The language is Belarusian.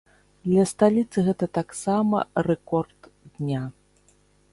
Для сталіцы гэта таксама рэкорд дня.